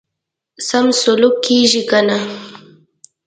سم سلوک کیږي کنه.